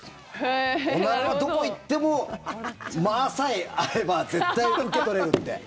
おならはどこへ行っても間さえあれば絶対、ウケ取れるって。